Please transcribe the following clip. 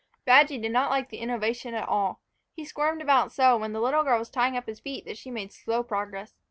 Badgy did not like the innovation at all. He squirmed about so when the little girl was tying up his feet that she made slow progress.